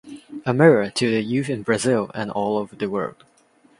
A mirror to the youth in Brazil and all over the world.